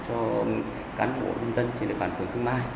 cho cán bộ nhân dân trên địa bàn phường khương mai